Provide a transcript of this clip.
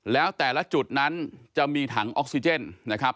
แล้วแต่ละจุดนั้นจะมีถังออกซิเจนนะครับ